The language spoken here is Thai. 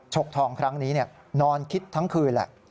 ชกทองครั้งนี้นอนคิดทั้งคืนแหละ